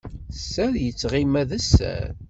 Sser yettqima d sser.